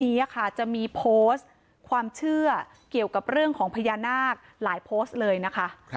นี้ค่ะจะมีโพสต์ความเชื่อเกี่ยวกับเรื่องของพญานาคหลายโพสต์เลยนะคะ